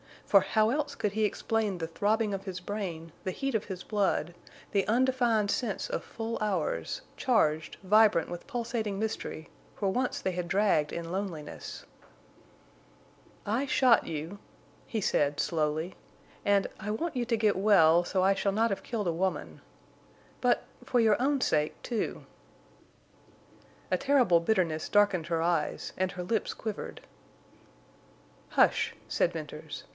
For how else could he explain the throbbing of his brain, the heat of his blood, the undefined sense of full hours, charged, vibrant with pulsating mystery where once they had dragged in loneliness? "I shot you," he said, slowly, "and I want you to get well so I shall not have killed a woman. But—for your own sake, too—" A terrible bitterness darkened her eyes, and her lips quivered. "Hush," said Venters.